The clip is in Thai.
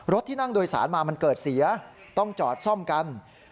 ที่นั่งโดยสารมามันเกิดเสียต้องจอดซ่อมกัน